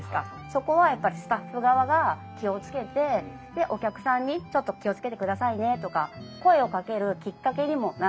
そこはやっぱりスタッフ側が気を付けてでお客さんに「ちょっと気を付けてくださいね」とか声をかけるきっかけにもなるし。